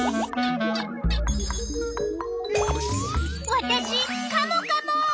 わたしカモカモ。